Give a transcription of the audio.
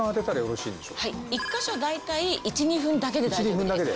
１か所だいたい１２分だけで大丈夫です。